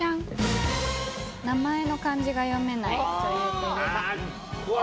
名前の漢字が読めない女優といえば？